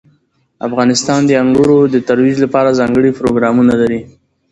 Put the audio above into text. افغانستان د انګورو د ترویج لپاره ځانګړي پروګرامونه لري.